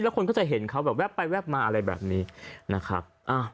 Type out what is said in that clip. แล้วคนก็จะเห็นเขาแบบแป๊บไปแวบมาอะไรแบบนี้นะครับ